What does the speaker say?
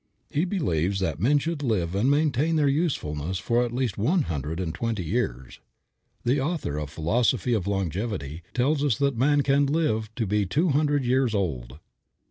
He believes that men should live and maintain their usefulness for at least one hundred and twenty years. The author of "Philosophy of Longevity" tells us that man can live to be two hundred years old.